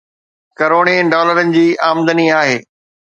ڪروڙين ڊالرن جي آمدني آهي